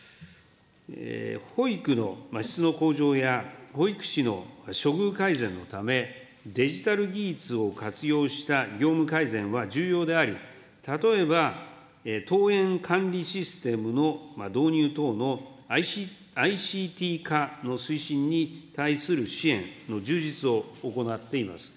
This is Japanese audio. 保育の質の向上や、保育士の処遇改善のため、デジタル技術を活用した業務改善は重要であり、例えば登園管理システムの導入等のＩＣＴ化の推進に対する支援の充実を行っています。